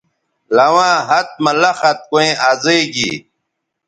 لواں ہَت مہ لخت کویں ازئ گی